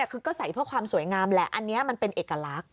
คือก็ใส่เพื่อความสวยงามแหละอันนี้มันเป็นเอกลักษณ